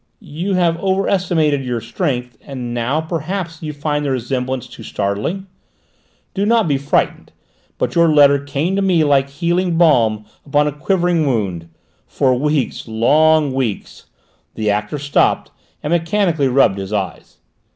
"You have overestimated your strength, and now perhaps you find the resemblance too startling? Do not be frightened. But your letter came to me like healing balm upon a quivering wound. For weeks, long weeks " The actor stopped, and mechanically rubbed his eyes.